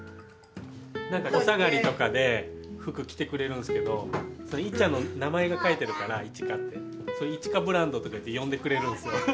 何かお下がりとかで服着てくれるんすけどいっちゃんの名前が書いてるから「いちか」って。それいちかブランドとかって呼んでくれるんすよ。